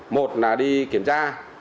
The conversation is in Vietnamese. một là đi kiểm tra